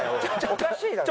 おかしいだろ。